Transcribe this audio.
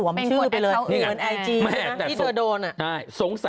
บลอม